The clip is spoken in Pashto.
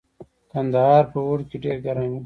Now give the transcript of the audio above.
کندهار په اوړي کې ډیر ګرم وي